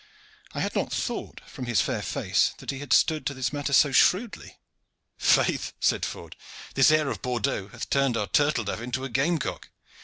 I had not thought from his fair face that he had stood to this matter so shrewdly." "Faith," said Ford, "this air of Bordeaux hath turned our turtle dove into a game cock.